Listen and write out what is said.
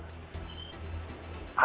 mereka bilang seharusnya pemerintah